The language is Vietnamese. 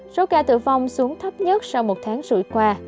số ca tử vong xuống thấp nhất sau một tháng rưỡi qua